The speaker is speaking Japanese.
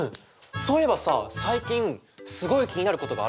そういえばさ最近すごい気になることがあるんだよね。